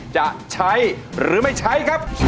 จะใช้หรือไม่ใช้ครับ